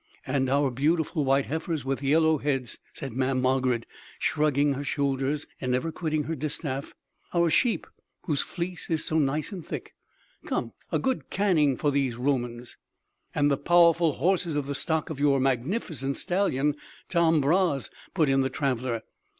"And our beautiful white heifers with yellow heads!" said Mamm' Margarid shrugging her shoulders and never quitting her distaff, "our sheep whose fleece is so nice and thick.... Come, a good caning for these Romans!" "And the powerful horses of the stock of your magnificent stallion Tom Bras," put in the traveler.